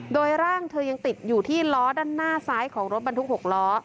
โดยร่างเธอยังติดอยู่ที่ล้อด้านหน้าซ้ายของรถบรรทุก๖ล้อ